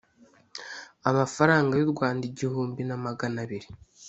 amafaranga y’u rwanda igihumbi na magana abiri